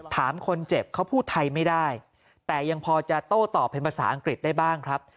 ถามคนเจ็บเขาพูดไทยไม่ได้แต่ยังพอจะโต้ตอบเป็นภาษาอังกฤษได้บ้างครับ